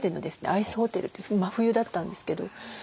アイスホテルという真冬だったんですけど。